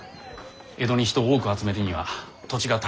江戸に人を多く集めるには土地が足りませぬ。